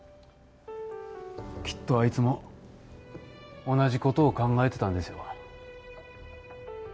きっとあいつも同じ事を考えてたんですよ。